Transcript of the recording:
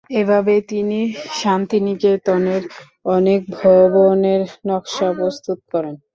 এভাবেই তিনি শান্তিনিকেতনের অনেক ভবনের নকশা প্রস্তুত করেন।